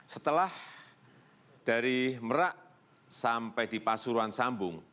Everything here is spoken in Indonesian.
setelah dari merak sampai di pasuruan sambung